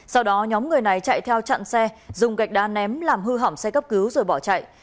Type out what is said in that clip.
sau đó nhóm người này chạy theo chặn xe dùng gạch đá ném làm hư hỏng xe cấp cứu rồi bỏ chạy